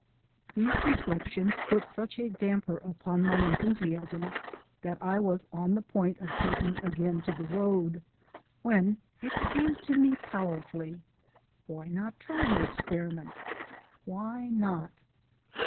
These reflections put such a damper upon my enthusiasm that I was on the point of taking again to the road, when it came to me powerfully: Why not try the experiment? Why not?